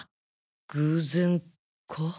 偶然か。